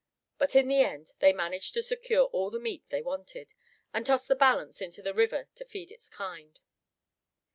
But in the end they managed to secure all the meat they wanted, and tossed the balance into the river to feed its kind.